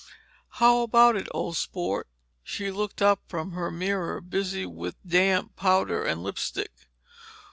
"How about it, old sport?" she looked up from her mirror, busy with damp powder and lipstick.